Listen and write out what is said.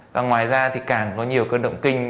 và ngoài ra thì càng có nhiều cơn động kinh